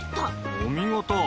お見事！